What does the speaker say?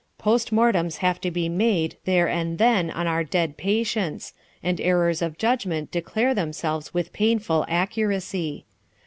Post mortems have to be made there and then on our dead patients, and errors of judgment declare themselves with painful accuracy.